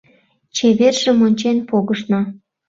Чевержым ончен погышна